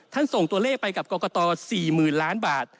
ส่งตัวเลขไปกับกรกต๔๐๐๐ล้านบาท